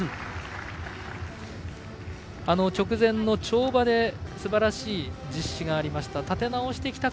直前の跳馬ですばらしい実施がありました。